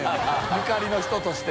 ゆかりの人として。